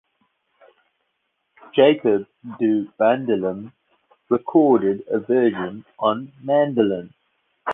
Jacob do Bandolim recorded a version on mandolin.